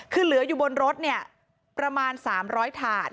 คือเหลืออยู่บนรถเนี่ยประมาณ๓๐๐ถาด